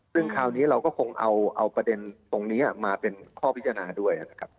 ซึ่งคราวนี้เราก็คงเอาประเด็นตรงนี้มาเป็นข้อพิจารณาด้วยนะครับ